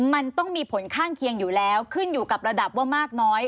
มันต้องมีผลข้างเคียงอยู่แล้วขึ้นอยู่กับระดับว่ามากน้อย